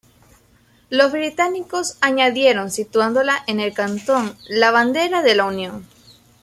Los británicos añadieron, situándola en el cantón, la Bandera de la Unión.